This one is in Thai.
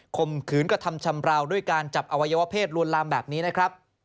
มขืนกระทำชำราวด้วยการจับอวัยวะเพศลวนลามแบบนี้นะครับ